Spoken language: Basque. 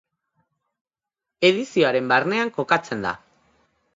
Edizioaren barnean kokatzen da.